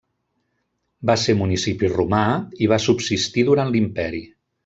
Va ser municipi romà, i va subsistir durant l'imperi.